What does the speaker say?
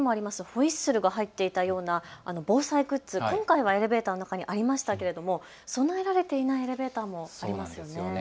ホイッスルが入っていたような防災グッズ、今回はエレベーターの中にありましたけれども備えられていないエレベーターもありますよね。